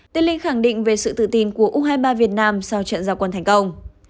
tiến linh khẳng định về sự tự tin của u hai mươi ba việt nam sau trận gia quân thành công